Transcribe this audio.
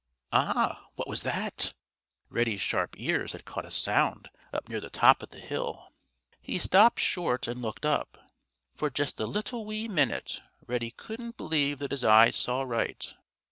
"Ah! What was that?" Reddy's sharp ears had caught a sound up near the top of the hill. He stopped short and looked up. For just a little wee minute Reddy couldn't believe that his eyes saw right.